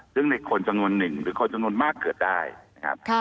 ซึ่งในคนจำนวนหนึ่งหรือคนจำนวนมากเกิดได้นะครับ